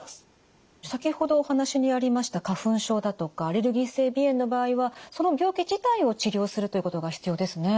先ほどお話にありました花粉症だとかアレルギー性鼻炎の場合はその病気自体を治療するということが必要ですね。